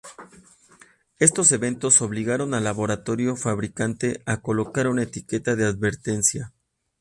Estos eventos obligaron al laboratorio fabricante a colocar una etiqueta de advertencia.